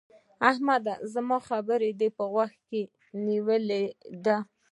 احمده! زما خبره دې په غوږو کې نيولې ده؟